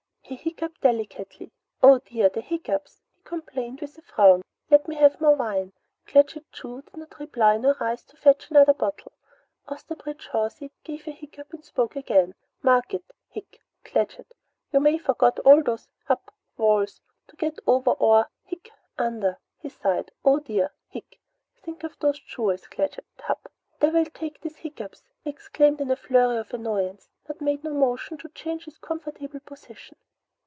He hiccuped delicately. "Hup! Oh dear! the hiccups!" he complained with a frown. "Let me have more wine!" Claggett Chew did not reply nor rise to fetch another bottle. Osterbridge Hawsey gave a hiccup and spoke again, "Mark it hic! Claggett. You may forget. All those hup! walls, to get over, or hic! under." He sighed. "Oh dear! Hic! Think of those jewels, Claggett! Hup! Devil take these hiccups!" he exclaimed in a flurry of annoyance, but made no motion to change his comfortable position.